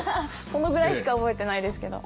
そのぐらいしか覚えてないですけど。